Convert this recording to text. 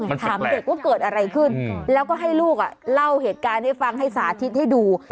ถามเด็กว่าเกิดอะไรขึ้นแล้วก็ให้ลูกเล่าเหตุการณ์ให้ฟังให้สาธิตให้ดู